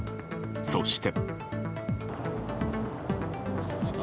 そして。